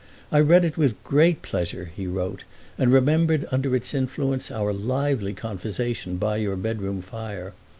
"I read it with great pleasure," he wrote, "and remembered under its influence our lively conversation by your bedroom fire.